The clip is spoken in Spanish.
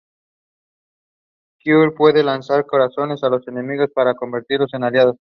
Kirby puede lanzar corazones a los enemigos para convertirlos en sus aliados.